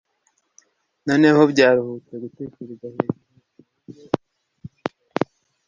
noneho byaruhutse gutekereza ko hejuru murugo hari ubwitonzi